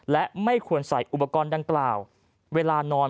และไม่ควรใส่อุปกรณ์ดังกล่าวเวลานอน